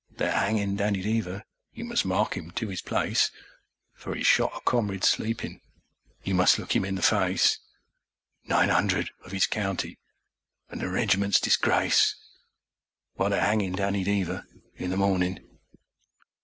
They are hangin' Danny Deever, you must mark 'im to 'is place, For 'e shot a comrade sleepin' you must look 'im in the face; Nine 'undred of 'is county an' the regiment's disgrace, While they're hangin' Danny Deever in the mornin'.